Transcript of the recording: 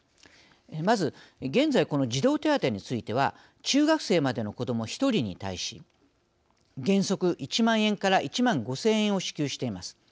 まず現在この児童手当については中学生までの子ども１人に対し原則１万円１万５０００円を支給しています。